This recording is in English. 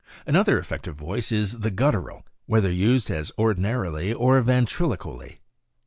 Another effective voice is the guttural, whether used as ordina rily or ventriloquially.